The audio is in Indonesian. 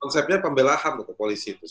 konsepnya pembelahan polisi itu